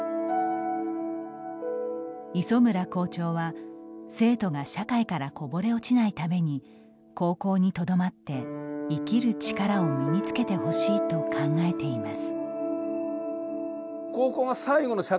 磯村校長は、生徒が社会からこぼれ落ちないために高校にとどまって生きる力を身につけてほしいと考えています。